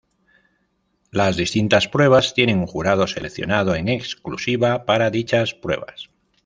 Las distintas pruebas tienen un jurado seleccionado en exclusiva para dichas pruebas.